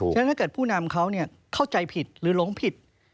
ฉะนั้นถ้าเกิดผู้นำเขาเข้าใจผิดหรือหลงผิด